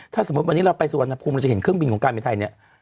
ถ้าสมมุติวันนี้เราไปสุวรรณภูมิเราจะเห็นเครื่องบินของการบินไทยเนี่ย